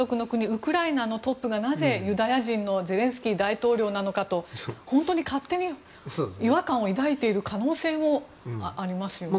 ウクライナのトップがなぜユダヤ人のゼレンスキー大統領なのかと本当に勝手に違和感を抱いている可能性もありますね。